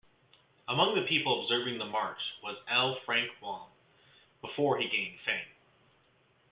Among the people observing the march was L. Frank Baum, before he gained fame.